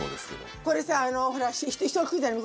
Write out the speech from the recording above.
これさほら人が来るじゃない？